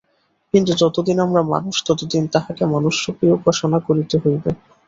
কিন্তু যতদিন আমরা মানুষ, ততদিন তাঁহাকে মানুষরূপেই উপাসনা করিতে হইবে।